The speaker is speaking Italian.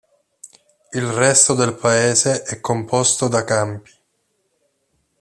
Il resto del paese è composto da campi.